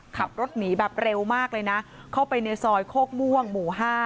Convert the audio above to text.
ขับรถหนีแบบเร็วมากเลยนะเข้าไปในซอยโคกม่วงหมู่๕